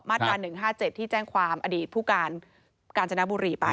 ตรา๑๕๗ที่แจ้งความอดีตผู้การกาญจนบุรีไป